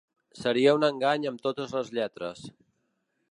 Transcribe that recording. Seria un engany amb totes les lletres.